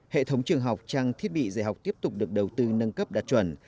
hệ thống trường học trang thiết bị dạy học tiếp tục được đầu tư nâng cấp đạt chuẩn